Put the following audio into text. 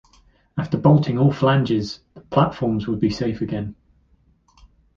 After bolting all flanges the platforms would be safe again.